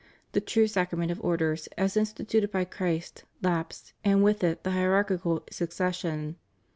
the true Sacra ment of Orders, as instituted by Christ, lapsed, and with it the hierarchical succession.